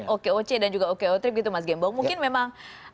okoc dan juga okotrip gitu mas gembong mungkin memang